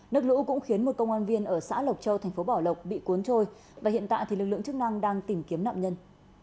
nước lũ cũng khiến một công an viên ở xã lộc châu thành phố bảo lộc bị cuốn trôi và hiện tại lực lượng chức năng đang tìm kiếm nạn nhân